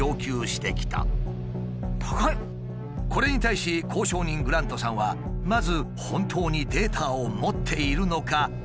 これに対し交渉人グラントさんはまず「本当にデータを持っているのか確認したい」と返信した。